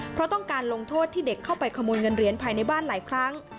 เพราะต้องการลงโทษที่เด็กเข้าไปขโมยเงินเหรียญภายในบ้านหลายครั้ง